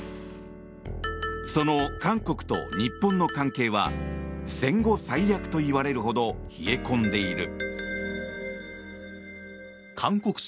その韓国と日本の関係は戦後最悪といわれるほど冷え込んでいる。